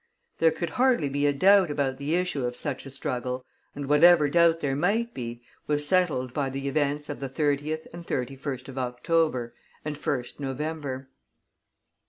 There could hardly be a doubt about the issue of such a struggle, and whatever doubt there might be, was settled by the events of the 30th and 31st of October, and 1st November.